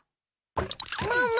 ママ。